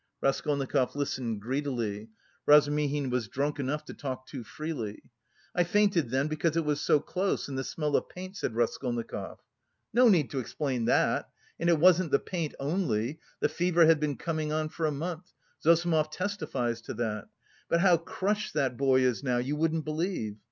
Raskolnikov listened greedily. Razumihin was drunk enough to talk too freely. "I fainted then because it was so close and the smell of paint," said Raskolnikov. "No need to explain that! And it wasn't the paint only: the fever had been coming on for a month; Zossimov testifies to that! But how crushed that boy is now, you wouldn't believe!